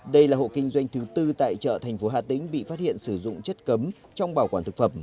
đây là hộ kinh doanh thứ tư tại chợ thành phố hà tĩnh bị phát hiện sử dụng chất cấm trong bảo quản thực phẩm